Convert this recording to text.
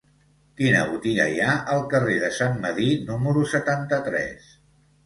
Quina botiga hi ha al carrer de Sant Medir número setanta-tres?